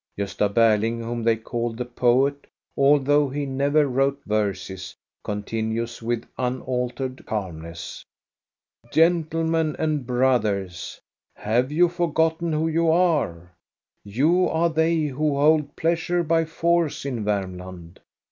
Gosta Berling, whom they called the poet, although he never wrote verses, continues with unaltered calm ness :" Gentlemen and brothers ! Have you forgotten who you are } You are they who hold pleasure by force in Varmland.